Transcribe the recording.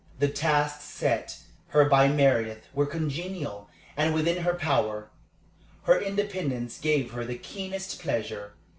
The tasks set her by Meredith were congenial and within her power. Her independence gave her the keenest pleasure.